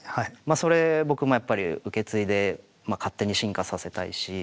それ僕もやっぱり受け継いで勝手に進化させたいし。